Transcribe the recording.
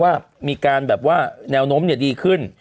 ว่ามีการแบบว่าแนวโน้มดีขึ้น